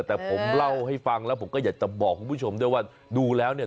แต่ผมเล่าให้ฟังแล้วผมก็อยากจะบอกคุณผู้ชมด้วยว่าดูแล้วเนี่ย